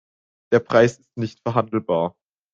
Der Preis ist nicht verhandelbar.